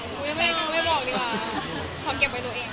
ดูล่ะงั้นไม่บอกขอเก็บไว้ดูเอง